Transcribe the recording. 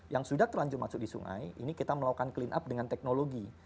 yang sudah terlanjur masuk di sungai ini kita melakukan clean up dengan teknologi